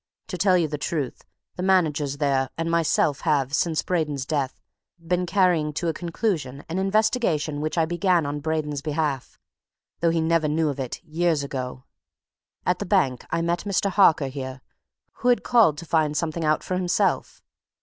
To tell you the truth, the managers there and myself have, since Braden's death, been carrying to a conclusion an investigation which I began on Braden's behalf though he never knew of it years ago. At the bank I met Mr. Harker here, who had called to find something out for himself.